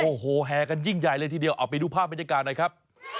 โอ้โหแห่กันยิ่งใหญ่เลยทีเดียวเอาไปดูภาพบรรยากาศหน่อยครับ